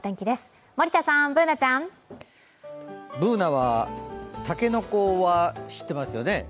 Ｂｏｏｎａは竹の子は知ってますよね？